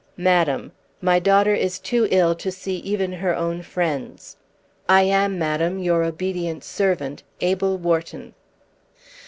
MADAM, My daughter is too ill to see even her own friends. I am, Madam, Your obedient servant, ABEL WHARTON.